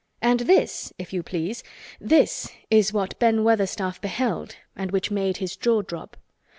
And this, if you please, this is what Ben Weatherstaff beheld and which made his jaw drop.